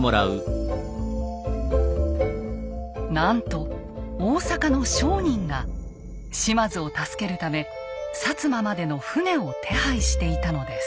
なんと大坂の商人が島津を助けるため摩までの船を手配していたのです。